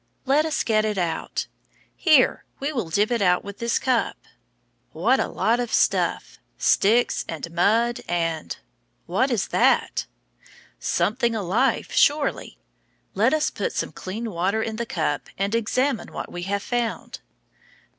Let us get it out. Here, we will dip it out with this cup. What a lot of stuff! Sticks and mud and what is that? Something alive, surely. Let us put some clean water in the cup and examine what we have found.